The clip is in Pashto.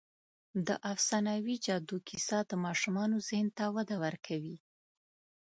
د افسانوي جادو کیسه د ماشومانو ذهن ته وده ورکوي.